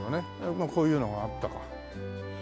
まあこういうのがあったか。